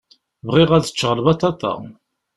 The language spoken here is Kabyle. Bɣiɣ ad ččeɣ lbaṭaṭa.